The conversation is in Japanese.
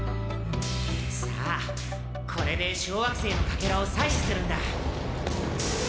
さあこれで小惑星のかけらを採取するんだ。